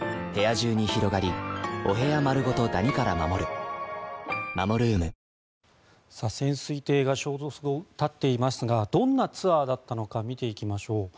消息不明の潜水艇に残された酸素は潜水艇が消息を絶っていますがどんなツアーだったのか見ていきましょう。